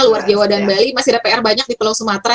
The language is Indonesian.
luar jawa dan bali masih ada pr banyak di pulau sumatera